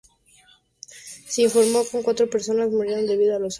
Se informó que cuatro personas murieron debido a los acontecimientos de la tormenta.